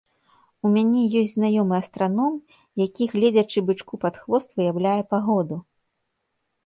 У мяне ёсць знаёмы астраном, які, гледзячы бычку пад хвост, выяўляе пагоду.